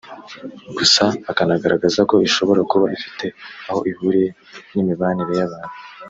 gusa akanagaragaza ko ishobora kuba ifite aho ihuriye n’imibanire y’abantu